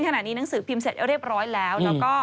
ขณะนี้นางสือพิมพ์เสร็จเรียบร้อยแล้ว